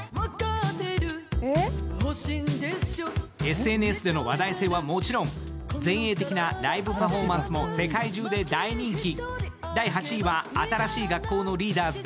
ＳＮＳでの話題性はもちろん前衛的なライブパフォーマンスも世界中で大人気。